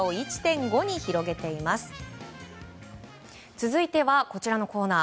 続いてはこちらのコーナー。